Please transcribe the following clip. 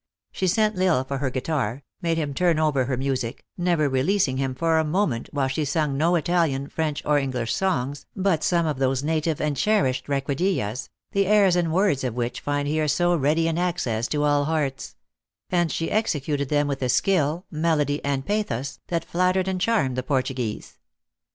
She sent L Isle for her guitar, made him turn over her music, never releasing him for a moment, while she sung no Italian, French or English songs, but some of those native and cher ished requidillas, the airs and words of which find here so ready an access to all hearts ; and she exe cuted them with a skill, melody, and pathos, that flattered and charmed the Portuguese.